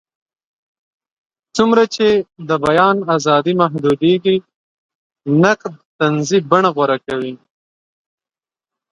څومره چې د بیان ازادي محدودېږي، نقد طنزي بڼه غوره کوي.